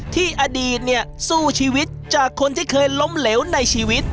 ที่อดีตเนี่ยสู้ชีวิตจากคนที่เคยล้มเหลวในชีวิต